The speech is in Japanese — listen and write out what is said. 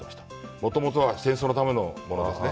もともとは戦争のためのものなんですね。